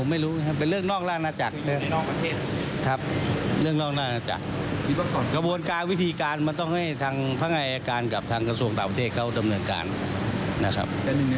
คุณคิดเป็นสำรวจสากบนเลยหรือครับ